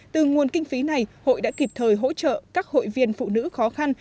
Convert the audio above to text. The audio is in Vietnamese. từ nguồn kinh phí này hội đã kịp thời hỗ trợ các hội viên phụ nữ khó khăn